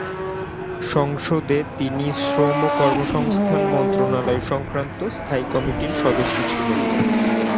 সংসদে তিনি শ্রম ও কর্মসংস্থান মন্ত্রণালয়-সংক্রান্ত স্থায়ী কমিটির সদস্য ছিলেন।